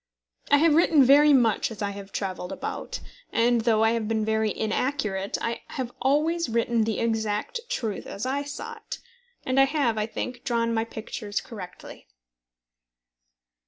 I have written very much as I have travelled about; and though I have been very inaccurate, I have always written the exact truth as I saw it; and I have, I think, drawn my pictures correctly.